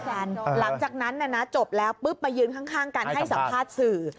หลังจากนั้นจบแล้วปุ๊บมายืนข้างกันให้สัมภาษณ์สื่อ